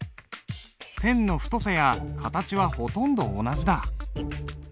線の太さや形はほとんど同じだ。